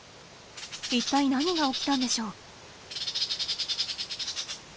いったい何が起きたんでしょう？